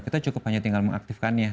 kita cukup hanya tinggal mengaktifkannya